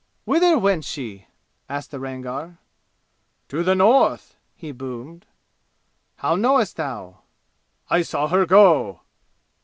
"Whither went she?" asked the Rangar. "To the North!" he boomed. "How knowest thou?" "I saw her go!"